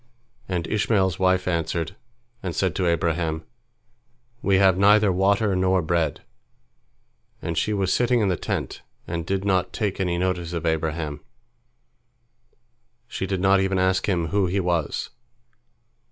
And Ishmael's wife answered, and said to Abraham, "We have neither water nor bread," and she was sitting in the tent, and did not take any notice of Abraham. She did not even ask him who he was.